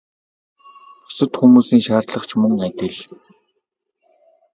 Бусад хүмүүсийн шаардлага ч мөн адил.